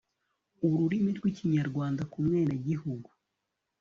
ururimi rw'ikinyarwanda ku mwenegihugu